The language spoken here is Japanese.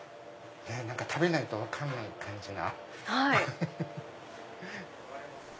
食べないと分かんない感じが。